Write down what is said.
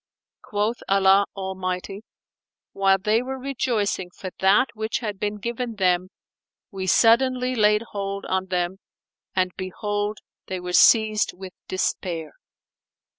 Quoth Allah Almighty, "While they were rejoicing for that which had been given them, we suddenly laid hold on them; and, behold, they were seized with despair."